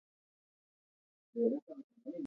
افغانستان د هوا له پلوه متنوع دی.